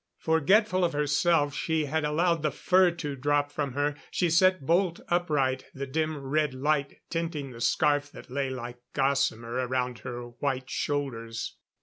Forgetful of herself, she had allowed the fur to drop from her: she sat bolt upright, the dim red light tinting the scarf that lay like gossamer around her white shoulders.